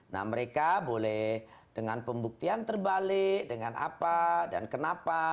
nah mereka boleh dengan pembuktian terbalik dengan apa dan kenapa